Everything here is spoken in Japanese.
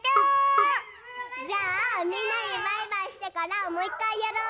じゃあみんなにバイバイしてからもういっかいやろう！